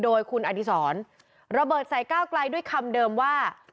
โดยคุณอดีศรระเบิดใส่ก้าวไกลด้วยคำเดิมว่า